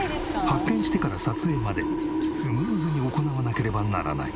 発見してから撮影までスムーズに行わなければならない。